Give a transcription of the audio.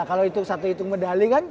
kalau itu satu hitung medali kan